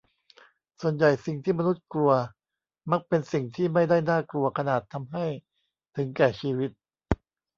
ส่วนใหญ่สิ่งที่มนุษย์กลัวมักเป็นสิ่งที่ไม่ได้น่ากลัวขนาดทำให้ถึงแก่ชีวิต